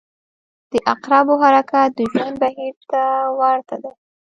• د عقربو حرکت د ژوند بهیر ته ورته دی.